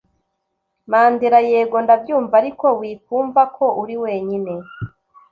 Mandela yego ndabyumva ariko wikumva ko uri wenyine